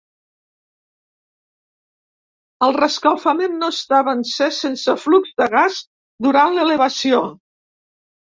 El rescalfament no estava encès, sense flux de gas durant l'elevació.